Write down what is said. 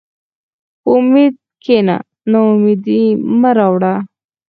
په امید کښېنه، ناامیدي مه راوړه.